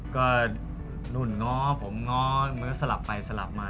ก็หนูหระหงระผมเหรอสลับไปสลับมา